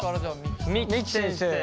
三木先生。